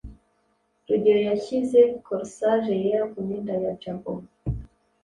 rugeyo yashyize corsage yera kumyenda ya jabo